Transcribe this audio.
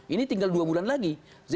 ini tinggal dua bulan lagi